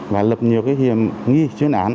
và lập nhiều hiểm nghi chuyên án